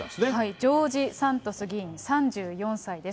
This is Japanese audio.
ジョージ・サントス議員３４歳です。